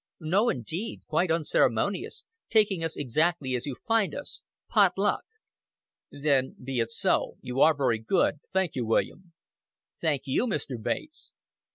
"No, indeed. Quite unceremonious taking us exactly as you find us pot luck." "Then be it so. You are very good. Thank you, William." "Thank you, Mr. Bates."